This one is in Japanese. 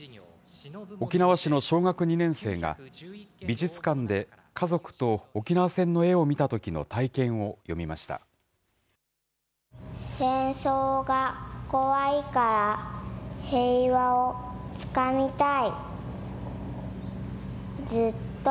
沖縄市の小学２年生が、美術館で家族と沖縄戦の絵を見たときの体験を詠みました。